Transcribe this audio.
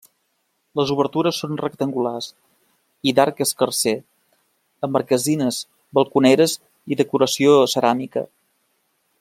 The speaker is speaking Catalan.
Les obertures són rectangulars i d'arc escarser, amb marquesines, balconeres i decoració ceràmica.